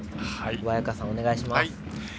小早川さん、お願いします。